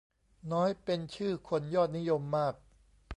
น้อยเป็นชื่อคนยอดนิยมมาก